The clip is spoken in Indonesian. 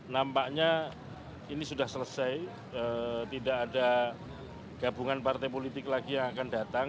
nampaknya ini sudah selesai tidak ada gabungan partai politik lagi yang akan datang